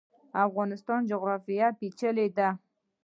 د افغانستان جغرافیا پیچلې ده